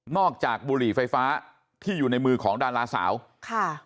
จากบุหรี่ไฟฟ้าที่อยู่ในมือของดาราสาวค่ะ